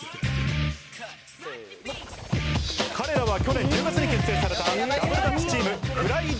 彼らは去年１０月に結成されたダブルダッチチーム。